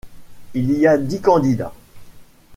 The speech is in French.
Il y a dix candidats.